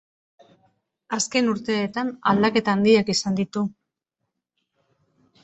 Azken urteetan aldaketa handiak izan ditu.